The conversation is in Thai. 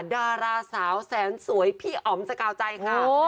ดาราสาวแสนสวยพี่อ๋อมสกาวใจค่ะ